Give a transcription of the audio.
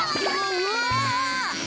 うわ！